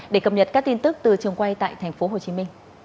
để cập nhật các tin tức từ trường quay tại tp hcm